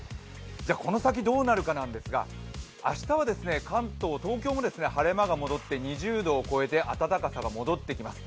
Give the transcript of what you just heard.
この先どうなるかなんですが、明日は関東、東京も晴れ間が戻って２０度を超えて暖かさが戻ってきます。